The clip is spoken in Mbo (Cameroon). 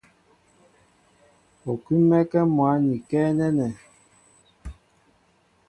U kúm̀mɛ́kɛ́ mwǎn ikɛ́ nɛ́nɛ.